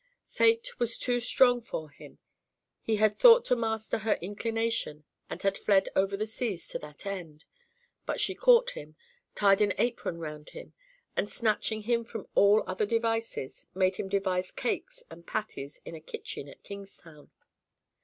Fate was too strong for him; he had thought to master her inclination and had fled over the seas to that end; but she caught him, tied an apron round him, and snatching him from all other devices, made him devise cakes and patties in a kitchen at Kingstown.